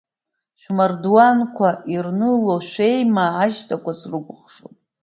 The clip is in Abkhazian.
Шәмардуанқәа ирныло шәеимаа ашьҭақәа срыкәыхшоуп!